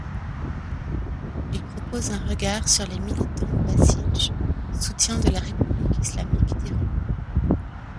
Il propose un regard sur les militants bassidj, soutiens de la République islamique d'Iran.